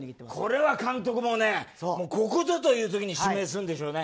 これは監督もここぞというときに指名するんでしょうね。